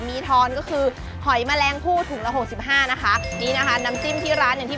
มีทอนก็คือหอยแมลงผู้ถุงละหกสิบห้านะคะนี่นะคะน้ำจิ้มที่ร้านอย่างที่